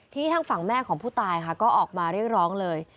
ทีนี้ทางฝั่งแม่ของผู้ตายค่ะก็ออกมาเรียกร้องเลย